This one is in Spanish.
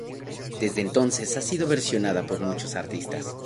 Desde entonces ha sido versionada por muchos artistas.